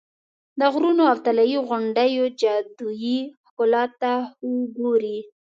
د غرونو او طلایي غونډیو جادویي ښکلا ته خو ګورې.